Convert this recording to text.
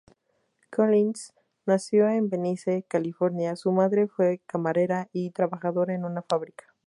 Collins nació en Venice, California, su madre fue camarera y trabajadora en una fábrica.